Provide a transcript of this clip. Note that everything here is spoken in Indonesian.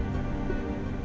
tidak ada yang bisa dikira